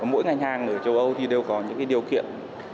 mỗi ngành hàng ở châu âu thì đều có những điều kiện